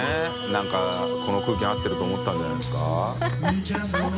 何かこの空気に合ってると思ったんじゃないですか？